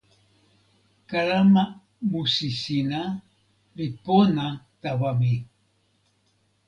kalama musi sina li pona tawa mi.